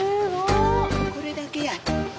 これだけや。